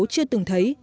chưa từng thấy